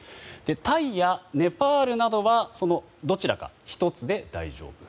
タイやネパールなどはそのどちらか１つで大丈夫。